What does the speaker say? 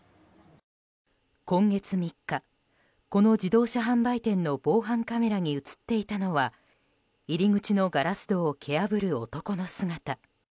今月３日、この自動車販売店の防犯カメラに映っていたのは入り口のガラス戸を蹴破る男の姿。